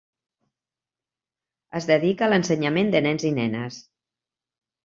Es dedica a l'ensenyament de nens i nenes.